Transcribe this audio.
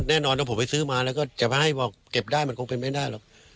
แน่นอนว่าผมไปซื้อมาแล้วก็จะมาให้บอกเก็บได้มันคงเป็นไม่ได้หรอก